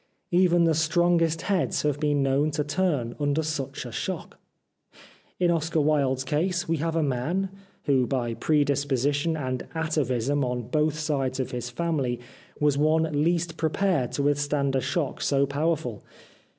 Even the strongest heads have been known to turn under such a shock. In Oscar Wilde's case we have a man, who by predis position and atavism on both sides of his family was one least prepared to withstand a shock so powerful.